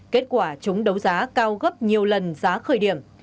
kết quả chúng đấu giá cao gấp nhiều lần giá khởi điểm